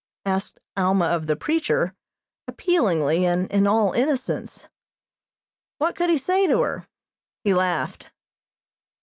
asked Alma of the preacher, appealingly, and in all innocence. What could he say to her? He laughed.